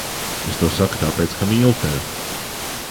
Es to saku tāpēc, ka mīlu tevi.